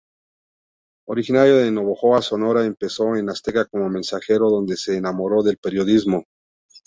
Originario de Navojoa, Sonora, empezó en Azteca como mensajero, donde se enamoró del periodismo.